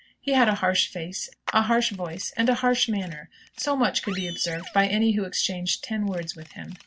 He had a harsh face, a harsh voice, and a harsh manner. So much could be observed by any who exchanged ten words with him.